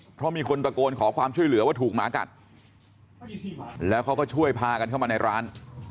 เพราะมีคนตะโกนขอความช่วยเหลือว่าถูกหมากัดแล้วเขาก็ช่วยพากันเข้ามาในร้าน